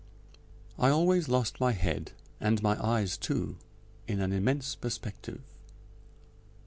I always lost my head, and my eyes too, in an immense perspective.